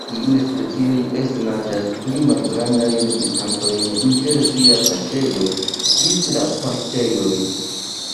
Iuj specioj eĉ naĝas pli grandajn distancojn inter sia kaŝejo ĝis la "paŝtejoj".